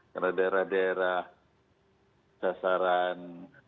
karena daerah daerah dasaran